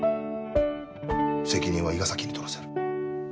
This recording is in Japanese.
責任は伊賀崎に取らせる。